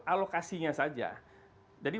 alokasinya saja jadi